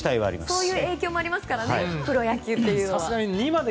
そういう影響もありますからね、プロ野球は。